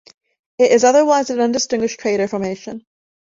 It is otherwise an undistinguished crater formation.